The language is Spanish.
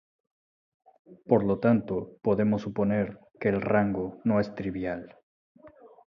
Por lo tanto podemos suponer que el rango no es trivial.